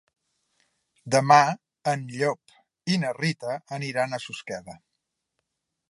Demà en Llop i na Rita aniran a Susqueda.